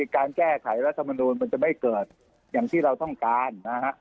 การแก้ไขรัสธรรมดูนไม่เกิดอย่างที่เราต้องการ